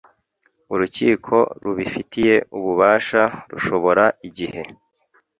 urukiko rubifitiye ububasha rushobora igihe